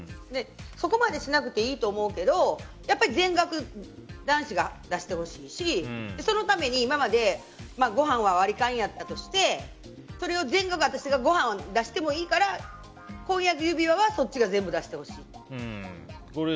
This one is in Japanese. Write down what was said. そこまでしなくていいと思うけどやっぱり全額、男子が出してほしいしそのために今までごはんは割り勘やったとしてそれを全額ごはんは私が出していいから婚約指輪はそっちが全部出してほしい。